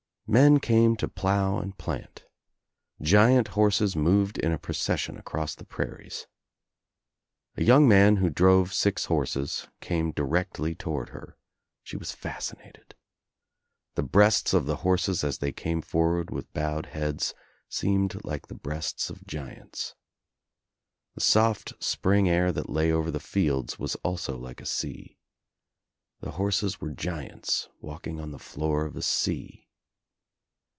Men came to plough and plant. Giant horses THE NEW ENGLANDE H3 I moved in a procession across the prairies. A jroung man who drove six horses came directly toward her. She was fascinated. The breasts of the horses as they came forward with bowed heads seemed like the breasts of giants. The soft spring air that lay over the fields was also like a sea. The horses were giants walking on the floor of a sea.